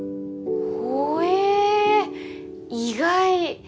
ほぇ意外！